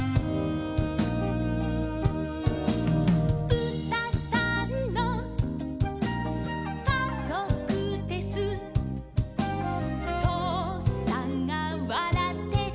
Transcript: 「ぶたさんのかぞくです」「とうさんがわらってる」